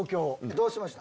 どうしました？